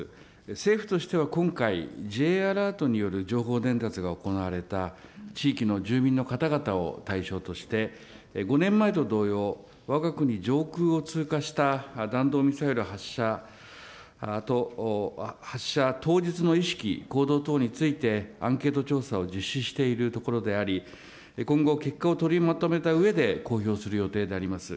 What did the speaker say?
政府としては今回、Ｊアラートによる情報伝達が行われた地域の住民の方々を対象として、５年前と同様、わが国上空を通過した弾道ミサイル発射当日の意識、行動等について、アンケート調査を実施しているところであり、今後、結果を取りまとめたうえで公表する予定であります。